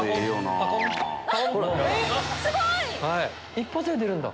一発で出るんだ。